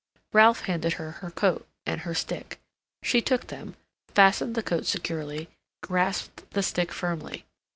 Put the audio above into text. Ralph handed her her coat and her stick. She took them, fastened the coat securely, grasped the stick firmly.